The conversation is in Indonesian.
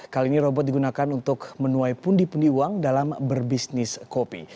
kali ini robot digunakan untuk menuai pundi pundi uang dalam berbisnis kopi